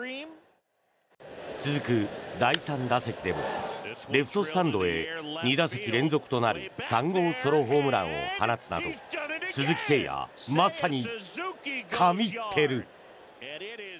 続く第３打席でもレフトスタンドへ２打席連続となる３号ソロホームランを放つなど鈴木誠也がまさに神ってる。